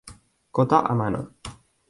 Kota Amano